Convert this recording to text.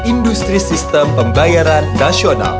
industri sistem pembayaran nasional